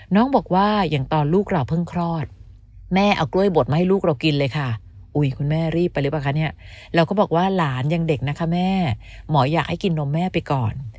น้องบอกว่าอย่างตอนลูกเราเพิ่งคลอดแม่เอากล้วยบดมาให้ลูกเรากินเลยค่ะอุ้ยคุณแม่รีบไปหรือเปล่าคะเนี่ยเราก็บอกว่าหลานยังเด็กนะคะแม่หมออยากให้กินนมแม่ไปก่อน